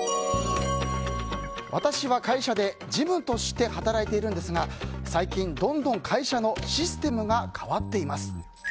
私は会社で事務として働いているんですが最近、どんどん会社のシステムが変わっています。